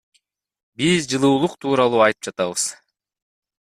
Биз жылуулук тууралуу айтып жатабыз.